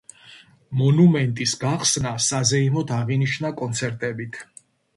მონუმენტის გახსნა საზეიმოდ აღინიშნა კონცერტებით.